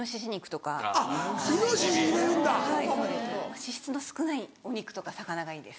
脂質の少ないお肉とか魚がいいです。